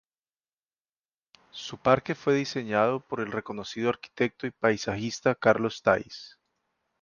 Su parque fue diseñado por el reconocido arquitecto y paisajista Carlos Thays.